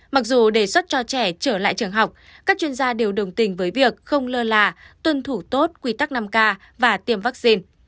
mặc dù đề xuất cho trẻ trở lại trường học các chuyên gia đều đồng tình với việc không lơ là tuân thủ tốt quy tắc năm k và tiêm vaccine